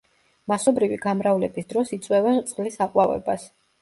მასობრივი გამრავლების დროს იწვევენ წყლის „აყვავებას“.